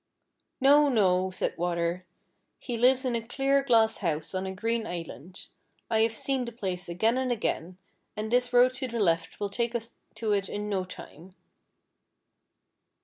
" No, no," said Water, " he lives in a clear glass house on a green island. I have seen the place again and again, and this road to the left will take us to it in no time."